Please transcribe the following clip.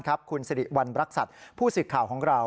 คุณสิริวัณรักษัตริย์ผู้สื่อข่าวของเรา